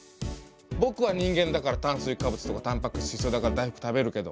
ぼくは人間だから炭水化物とかタンパク質必要だから大福食べるけど。